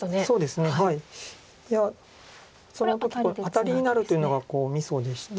アタリになるというのがみそでして。